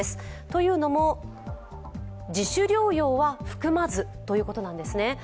というのも、自主療養は含まずということなんですね。